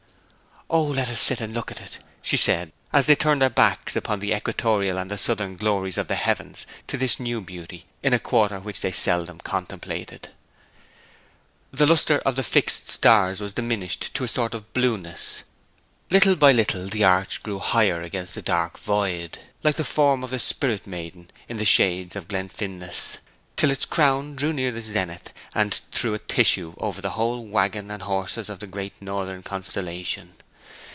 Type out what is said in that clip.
'O, let us sit and look at it!' she said; and they turned their backs upon the equatorial and the southern glories of the heavens to this new beauty in a quarter which they seldom contemplated. The lustre of the fixed stars was diminished to a sort of blueness. Little by little the arch grew higher against the dark void, like the form of the Spirit maiden in the shades of Glenfinlas, till its crown drew near the zenith, and threw a tissue over the whole waggon and horses of the great northern constellation.